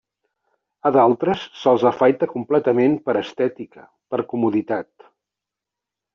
A d'altres se'ls afaita completament per estètica per comoditat.